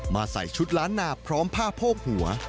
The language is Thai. ใส่ชุดล้านนาพร้อมผ้าโพกหัว